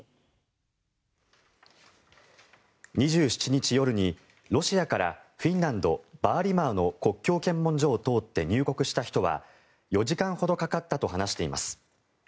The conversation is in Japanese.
２７日夜にロシアからフィンランド・バーリマーの国境検問所を通って入国した人は４時間ほどかかったと話しています。